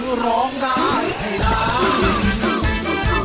คือร้องได้ให้ร้าน